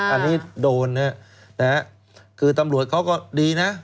อันนี้โดนนะฮะคือตำรวจเขาก็ดีนะ